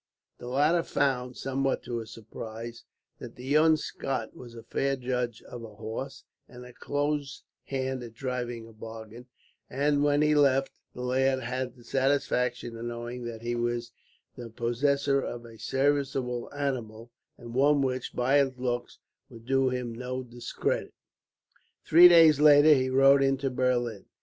The latter found, somewhat to his surprise, that the young Scot was a fair judge of a horse, and a close hand at driving a bargain; and when he left, the lad had the satisfaction of knowing that he was the possessor of a serviceable animal, and one which, by its looks, would do him no discredit. Three days later he rode into Berlin.